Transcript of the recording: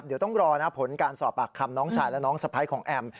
เดี๋ยวต้องรอนะผลการสอบปากคำน้องชายและน้องสะพ้ายของแอม